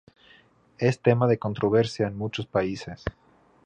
Es tema de controversia en muchos países.